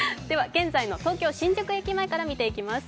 現在の東京・新宿駅前から見ていきます。